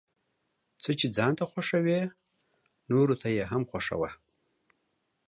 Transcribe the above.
څه چې ځان ته خوښوې نوروته يې هم خوښوه ،